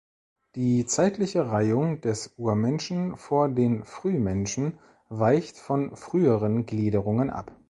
Die zeitliche Reihung des "Urmenschen" vor den "Frühmenschen" weicht von früheren Gliederungen ab.